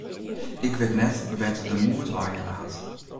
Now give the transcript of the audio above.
Ik wit net wêr't er de moed wei helle hat.